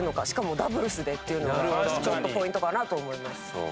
しかもダブルスでっていうのがちょっとポイントかなと思います。